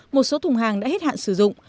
một số thùng hàng đã hết hạn sử dụng